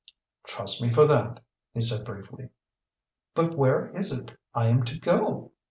"Trust me for that," he said briefly. "But where is it I am to go?"